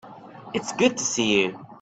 It's good to see you.